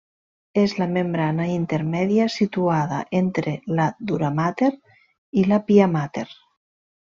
És la membrana intermèdia, situada entre la duramàter i la piamàter.